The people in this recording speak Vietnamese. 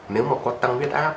nếu mà có tăng viết áp